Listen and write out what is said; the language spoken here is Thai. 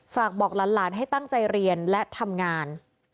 ฝากบอกหลานให้ตั้งใจเรียนและทำงาน